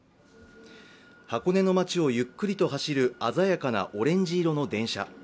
箱根の町をゆっくりと走る鮮やかなオレンジ色の電車。